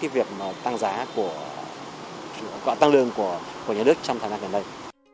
và tăng lương của nhà nước trong thời gian gần đây